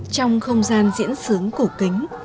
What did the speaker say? trong không gian diễn xướng cổ kính